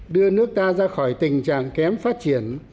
đưa nước ta ra khỏi tình trạng kém phát triển